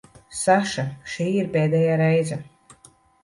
Saša, šī ir pēdējā reize.